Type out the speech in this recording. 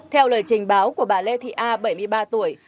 theo lời trình báo của bà lê thị a bảy mươi ba tuổi